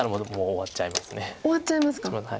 終わっちゃいますか。